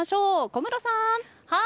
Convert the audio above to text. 小室さん。